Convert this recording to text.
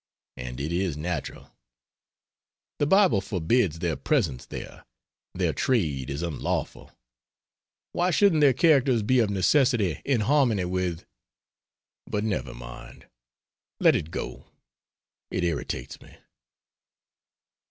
And it is natural; the Bible forbids their presence there, their trade is unlawful, why shouldn't their characters be of necessity in harmony with but never mind, let it go, it irritates me.